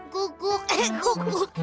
guguk eh guguk